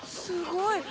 すごい！